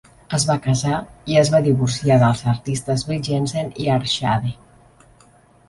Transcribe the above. Es va casar i es va divorciar dels artistes Bill Jensen i Art Schade.